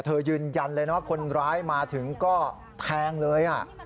ยืนยันเลยนะว่าคนร้ายมาถึงก็แทงเลย